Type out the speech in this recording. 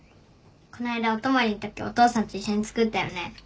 こないだお泊まりのときお父さんと一緒に作ったよね。